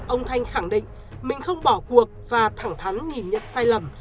ông thanh khẳng định mình không bỏ cuộc và thẳng thắn nhìn nhận sai lầm